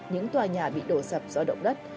những tòa nhà bị đổ sập do động đất